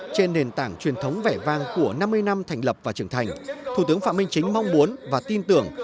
trên nền tảng truyền thống vẻ vang của năm mươi năm thành lập và trưởng thành thủ tướng phạm minh chính mong muốn và tin tưởng